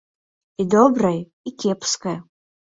І добрае, і кепскае.